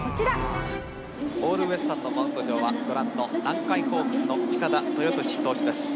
オールウエスタンのマウンド上はご覧の南海ホークスの近田豊年投手です。